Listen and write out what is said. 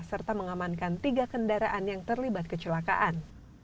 serta mengamankan tiga kendaraan yang terlibat kecelakaan